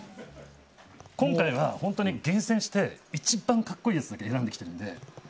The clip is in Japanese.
今回は本当に厳選して一番格好いいやつだけ選んできているので。